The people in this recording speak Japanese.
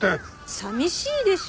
寂しいでしょ？